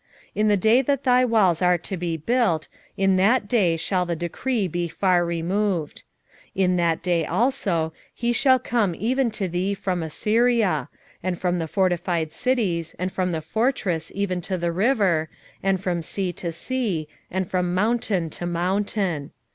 7:11 In the day that thy walls are to be built, in that day shall the decree be far removed. 7:12 In that day also he shall come even to thee from Assyria, and from the fortified cities, and from the fortress even to the river, and from sea to sea, and from mountain to mountain.